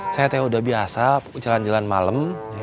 saya udah biasa jalan jalan malem